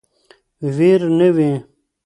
ویر نه وي.